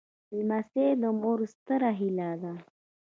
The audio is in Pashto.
لمسی د مور ستره هيله ده.